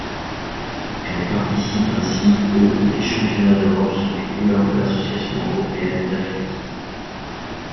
Elle participe ainsi aux des Championnats d'Europe sous les couleurs de l'Association européenne d'athlétisme.